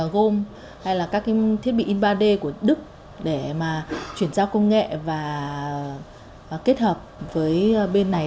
gồm hay là các thiết bị in ba d của đức để mà chuyển giao công nghệ và kết hợp với bên này